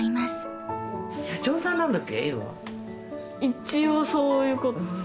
一応そういうことです。